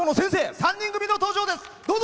３人組の登場です。